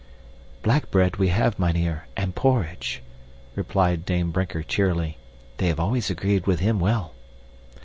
"Black bread, we have, mynheer, and porridge," replied Dame Brinker cheerily. "They have always agreed with him well."